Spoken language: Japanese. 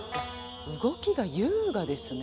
動きが優雅ですね